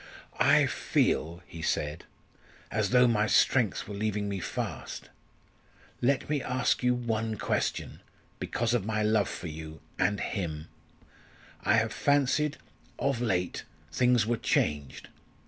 "I feel," he said, "as though my strength were leaving me fast. Let me ask you one question because of my love for you and him. I have fancied of late things were changed.